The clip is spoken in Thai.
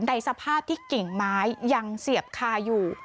ในสภาพที่กิ่งไม้ยังเสียบคาอยู่